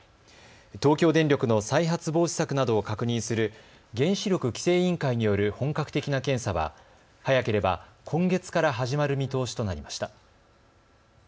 東京電力の再発防止策などを確認する原子力規制委員会による本格的な検査は早ければ今月から始まる見通しとなりました。